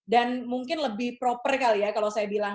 dan mungkin lebih proper kali ya kalau saya bilang